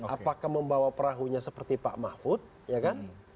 apakah membawa perahunya seperti pak mahfud ya kan